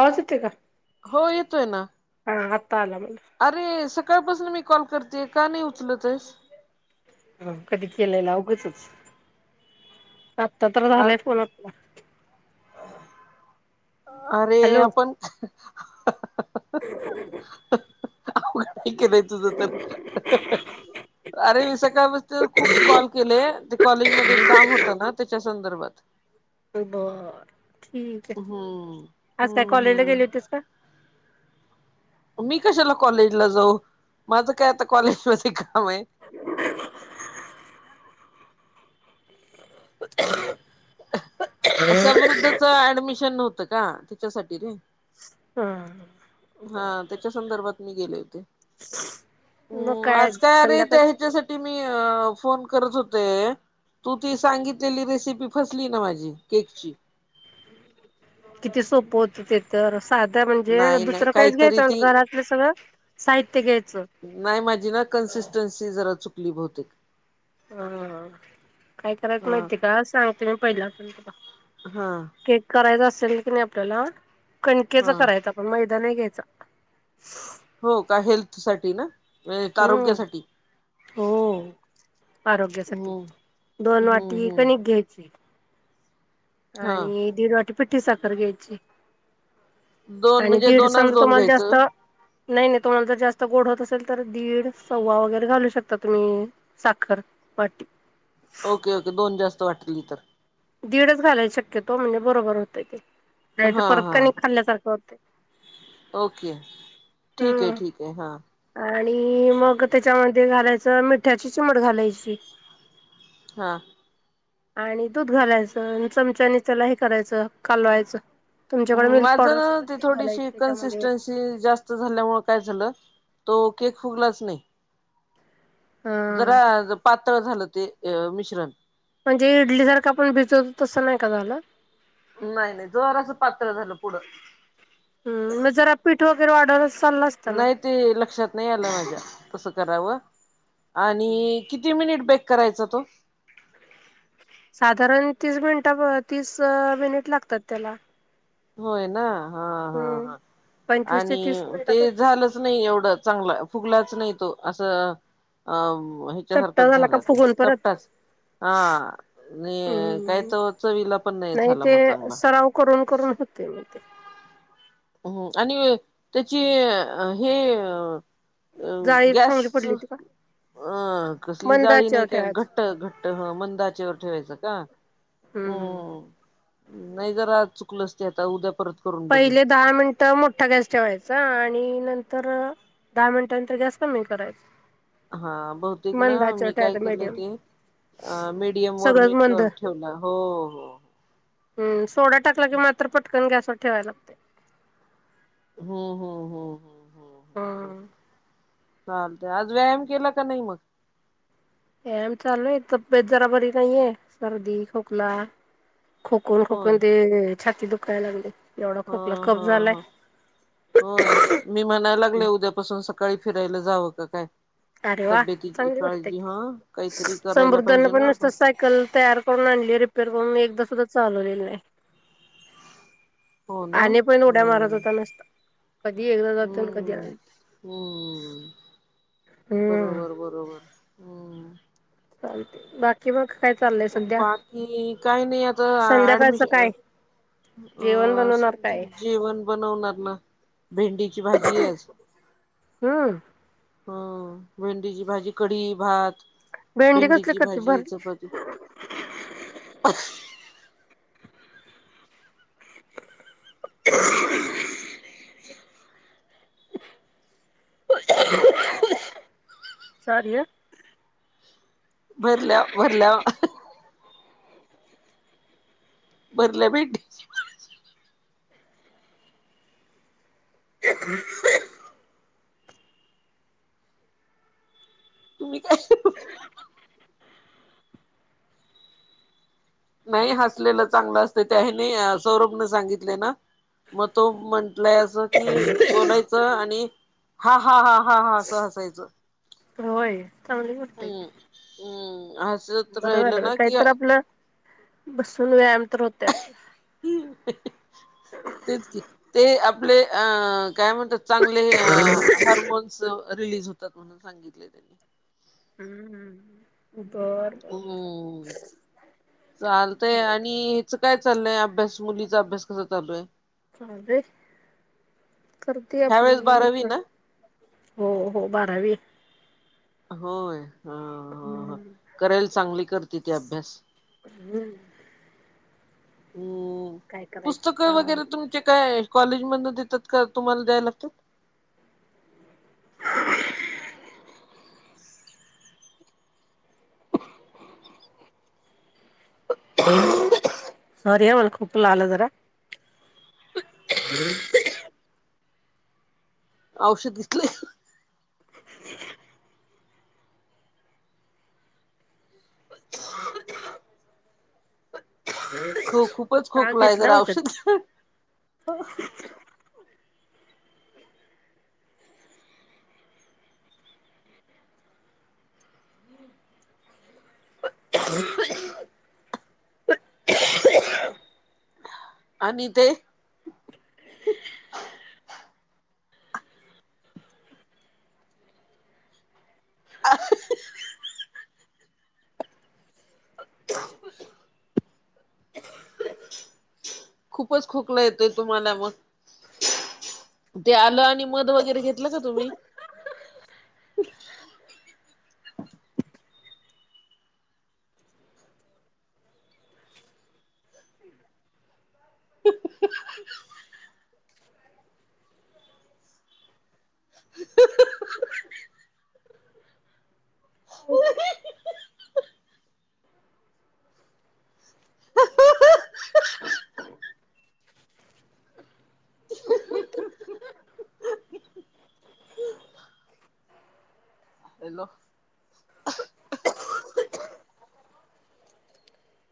आवाज येतोय का? हो येतोय ना ह आता आला मला. कवापासून मी कॉल कर ह कधी केलेला उगाचच! आत्ता तर अ झालंय फोन आपला. अरे हॅलो आपण काय केलंय तुझं तर? अरे सकाळ पासन खूप कॉल केले ते कॉलेजमध्ये काम होतं ना त्याच्यासा संदर्भात. बर ठीक आहे, हम्म आज काय हम्म कॉलेजला गेली हम्म होतीस का? मी कशाला कॉलेजला जाऊ माझं काय आता कॉलेज मध्ये आवे. [unintelligible] समृद्धच ऍडमिशन नव्हतं का त्याच्यासाठी रे. हा. हा बर त्याच्या संदर्भात मी गेले होते. मग हम् आज काय अरे त्या संध्याकाळच ह्याच्यासाठी मी अ फोन करत होते. तू ती सांगितलेली रेसिपी फसली ना माझी केकची. किती सोपं होत ते तर. साध्या म्हणजे नाही नाही दुसरं काहीच काहीतरी घ्यायचं ती घरातलं सगळं साहित्य घ्यायचं. नाही माझी ना कन्सिस्टन्सी जरा चुकली बहुतेक. हा काय करायच हा माहिते का सांगते मी पहिला पासन. हा केक करायचा असेल कनाया आपल्याला कणकेचा हा करायचं आपण मैदा नाही घ्यायच. चा. हो का हेल्थ साठी ना हम्म आरोग्यासाठी. हो आरोग्यासाठी हम्म दोन हम्म वाटी कणिक हम्म घ्यायची. हा आणि दीड वाटी पिठ्ठठी साखर घ्यायची. दोन आणि म्हणजे दीड दोनच समजा दोन तुम्हाला जास्त घ्यायचं नाही नाही तुम्हाला जर जास्त गोड होत असेल तर दीड सव्वा वगैरे घालू शकता तुम्ही साखर. वाटी. ओके ओके दोन जास्त वाटली इ तर. दीडच घालायला शक्यतो म्हणजे बरोबर होतय ते. नाही तर हा परत हा काणी खाल्ल्यासारखं होतय. ओके ठीक आहे, हम्म ठीक आहे हा. आणि मग त्याच्यामध्ये घालायचं मिठ्याची चिमट घालायची. हा. आणि दूध घालायचं चमच्यानी त्याला हे करायचं कालवायचं. तुमच्याकडे मिल्क माझ पावडर असेल तर ती घालायची थोडीशी त्याच्यामध्ये कन्सिस्टन्सी जास्त झाल्यामुळे काय झालं. तो केक फुगलाच नाही. हा जरा पातळ झालं ते अ मिश्रण. म्हणजे इडली सारखा आपण भिजवतो तसं नाही का झाला. नाही नाही जरासं पातळ झालं पुढं. हम्म मग जरा [unintelligible] ना नाही ते लक्षात नाही आलं माझ्या तसं करावं. आणि किती मिनिट बेक करायचा तो. साधारण तीस मिनिट तीस मिनिट लागतात त्याला. होय ना हा हा हम्म हा. पंचवीस ते आणि तीस मिनिटात ते होते झालंच नाही एवढं चांगला फुगलाच नाही तो असं अं चपटा ह्याच्यासारखंच का झाला ते फुगून परत चपटाच. हा आणि काही हम्म च चवीला पण नाही झाला ते मग चांगला. सराव करून करून ते बोलते हम् आणि त्याचे हे अ अ जाळी गॅस चांगली पडली होती का अं कसली मंद जाळी नाही आचेवर काय ठेवायच घट्ट घट्ट मंदाचेवर ठेवायचं का. हम्म हम्म. नाही जरा चुकलंच ते आता उद्या परत करून बघीन. तर मोठा गॅस ठेवायचा आणि नंतर दहा मिनटानंतर गॅस कमी करायचा. हा बहुतेक ना मंद आचेवर मी काय ठेवायचा केले मीडियम ते. अ मीडियम वर सगळंच मी मंद ठेवलं हो हो. हम्म सोडा टाकला कि मात्र पटकन गॅसवर ठेवायला लागते. हो हो हो हो. हम्म. चालत आज व्यायाम केला का नाही मग. व्यायाम चालूये तब्येत जरा बरी नाहीये सर्दी, खोकला. खोकून होय खोकून ते छाती दुखायला लागली एवढा ह खोकला कप ह झालाय. ह होय मी म्हणायला लागले उद्यापासून सकाळी फिरायला जावं का? काय अरे वा तब्येतीची चांगली गोष्टय काळजी की हा काहीतरी करायला समृद्धना पाहिजे पण ना नुसत आपण सायकल तयार करून आणली रिपेअर करून एकदा सुद्धा चालवलेलं नाही. हो ना आणि पण उड्या मारत हम्म होता नुसता. कधी एकदा जातोय कधी आ हम्म हम्म बरोबर बरोबर हम्म. चालते बाकी मग. काय चाललंय सध्या बाकी काही नाही आता संध्याकाळचं ऍडमिशन काय जेवण अ बनवणार काय संजय जेवण बनवणार ना. भेंडीची भाजीये आज. हम्म. ह भेंडीची भाजी कढी, भात. भेंडी कसली भेंडीची करते भाजी, भरली चपाती. [inaudible] सॉरी ह. भरल्या भरल्या भरल्या भेंडीची भाजी. [inaudible] तुम्ही काय नाही हसलेलं चांगलं असतय, त्या हेणी सौरभ ने सांगितलय ना. मग तो म्हण लाय असं कि बोलायचं आणि हा हा हा हा हा असं हसायचं. होय? हम्म हम्म. हसत बर झाल राहिलं बाई ना कि काहीतर आपलं बसून व्यायाम. तर होते आपला तेच की ते आप ले अ काय म्हणतात चांगले हार्मोन्स रिलीज होतात म्हणून सांगितले त्यांनी. हम्म हम्म तू कर चालतंय आणि हीच काय चालय अभ्यास मुलीचा अभ्यास कसा चालूये? चालय करते आपली ह्यावेेळेस बारावी इथ ना हो हो बारावी. होय. ह ह हम्म केरेल चांगली करते ती अभ्यास. हम्म काय करायचं पुस्तकं आता वगैरे तुमची काय कॉलेज मधन देतात का? तुम्हाला द्याय लागतात? [inaudible] सॉरी हा मला खोकला आला जरा. [inaudible] औषध घेतले. हो खूपच हा खोकला आहे घेतलं जरा औषध [inaudible] आणि ते [unintelligible] [inaudible] खूपच खोकला येतोय तुम्हाला मग ते आलं आणि मध वगैरे घेतलं का तुम्ही? [inaudible] [inaudible] हॅलो.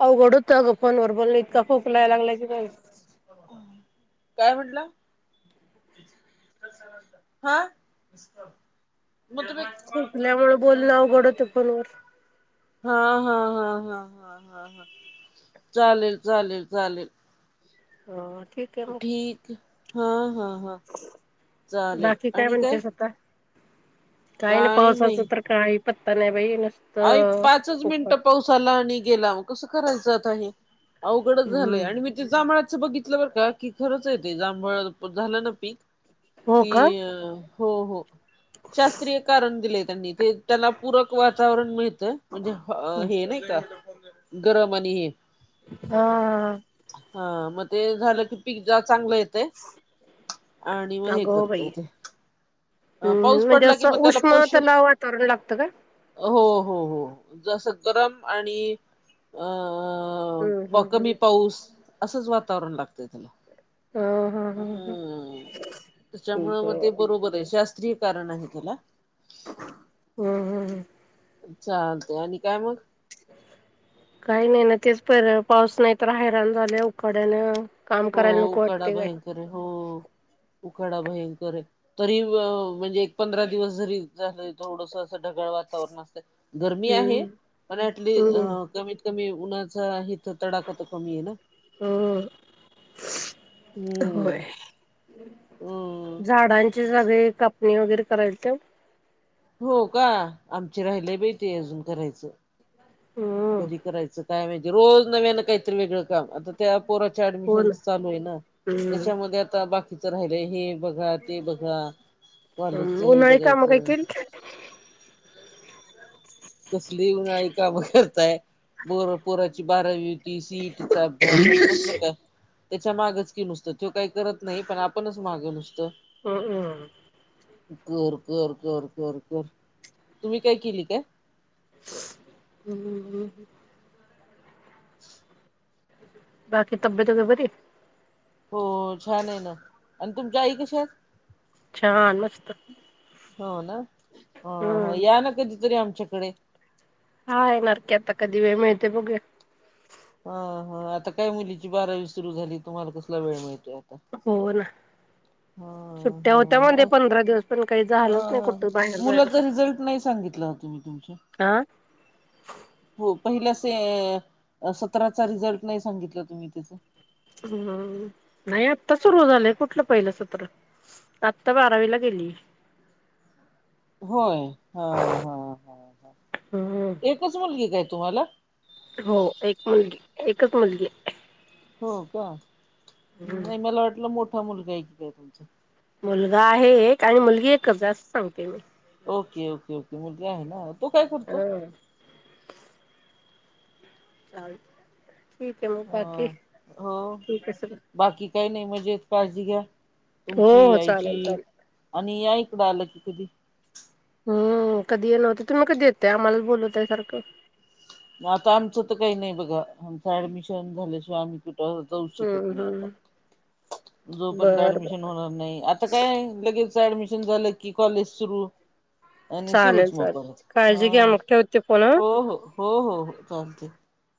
अवघड होतय अगं फोन वर बोलण इतकं. काय म्हंटला? ह? मग तुम्ही खोकल्या मुळ बोलणं अवघड होतय फोन वर. हा हा हा हा हा हा चालेल चालेल चालेल. हा ठीक हा हा हा चालेल. बाकी आणि काय? म्हणतेस आता काही नाही, पावसाचं तर काही पत्ता नाही बाई आई नुसतं पाचच उकड मिनिटं पाऊस आला आणि गेला मग कसं करायच आता हे? अवघडच झालंय. हम्म आणि मी ती जांभळाच बघितलं बर का की खरंच आहे ते. जांभळ झालं ना पीक हो कि का हो हो शास्त्रीय कारण दिलेय, त्यांनी ते त्याला पूरक वातावरण मिळत म्हणजे हे नाही का गरम आणि हे हा हा हा. हा मग ते झालं की पीक ज चांगलं येतय, आणि मग हे अगो करतय बाई ते. अ पाऊस हम्म म्हणजे पडला कि, असं मग त्याला उष्ण पोश त्याला वातावरण लागतं का हो हो हो जसं गरम आणि अ अ हम्म प हम्म हम्म कमी पाऊस असंच वातावरण लागतय त्याला. ह ह ह. त्याच्यामुंळा मग ते बरोबर आहे, शास्त्रीय कारण आहे त्याला. हम हम ह. चालतयं. काही नाही न तेच पर पाऊस नाही तर, हैराण झालयं उकाड्यानं. काम हो करायला नको उकाडा वाटते काय भयंकर आहे हो. उकाडा भयंकर आहे तरी, म्हणजे एक पंधरा दिवस जरी झालं थोडस ढगळ वातावरण अस गरमी हम्म आहे, पण हम्म कमीत कमी उन्हाचा इथ तडाख तर कमी ये ना? ह [inaudible] होय. हम्म हम्म झाडांची सगळी कापणी वगैरे [unintelligible] हो का? आमचे राहिलंय बाई ते करायचं. हम्म कधी करायचं, काय म्हणजे रोज नव्यानं काही वेगळं काम अत्त त्या पोराची हो ऍडमिशन ना चालू आहे ना. त्याच्या हम्म मध्ये आता बाकीचं तर राहिलेहे बघा, ते बघा कॉलेजचं हे उन्हाळी काम काय बघायचं केली कसली उन्हाळी कामं करताय? बोर पोराची बारावी ती सीईटीचं अभ्यासनं कसलं काय? त्याच्या मागच की नुसतं त्यो काही करत नाही खरं, आपणच मागं नुसतं. हम् हम कर कर कर कर कर तुम्ही काय केली काय? हम्म! [inaudible] बाकी तब्येत वैगेरे बरी आहे. हो छान आहे ना आणि तुमच्या आई कश्या आहेत? छान! मस्त. हो ना? अ हम्म या ना कधीतरी आमच्याकडे. हा येणारकी आता कधी वेळ मिळते बघूया? हा हा आता काय मुलीची बारावी सुरु झाली तुम्हाला कसला वेळ मीळत हो ना. हा. सुट्ट्या होत्या मध्ये पंधरा दिवस पण काही झालंच नाही ह कुठं बाहेर जायला. मुलाचा रिझल्ट नाही सांगितला हो तुम्ही तुमच्या आं. पहिल्या सि सतराचा रिझल्ट नाही सांगितला तुम्ही तिथं. हम् नाही आत्ता सुरू झालंय. कुठलं पहिलं सत्र? आता बारावीला गेली. होय. हा हा ह हं हं हम्म एकच मुलगी काय तुम्हाला? हो. एक मुलगी एकच मुलगी. हो का. नाही मला वाटलं मोठा मुलगा आहे की काय तुमचा. मुलगा आहे एक आणि मुलगी एकच असं सांगते मी. ओके ओके ओके मुलगा आहे ना. तो काय करतो? हा चालतयं ठीकाय मग बाकी. अ हो ठीक हाय सगळ. बाकी काही नाही मजेत. काळजी घ्या. हो तुमची हो. चालेल आईची चालेल. आणि या इकडं आलं की कधी. हम्म कधी येणं होत. तुम्ही कधी येताय. आम्हालाच बोलवताय सारखं. मग आता आमचं तर काही नाही बघा. आमच ऍडमिशन झाल्याशिवाय आम्हीतर जाऊ शकत हम्म नाही आता. हम्म जोपर्यंत बर बर ऍडमिशन होणार नाही. आता काय लगेच ऍडमि शन झालं की कॉलेज सुरू. आणि सुरूच चालेल मग चालेल परत ह काळजी घ्या मग ठेवते फोन हा हो हो. हो हो हो चालतयं.